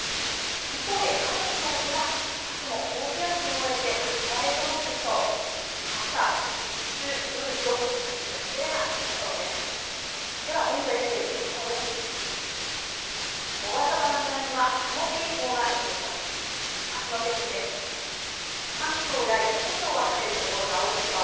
一方で関東ではあすも高気圧に覆われて秋晴れとなるでしょう。